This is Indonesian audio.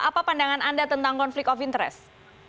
apa pandangan anda tentang konflik of interest